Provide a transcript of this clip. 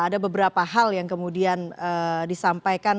ada beberapa hal yang kemudian disampaikan